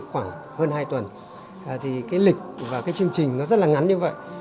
khoảng hơn hai tuần thì cái lịch và cái chương trình nó rất là ngắn như vậy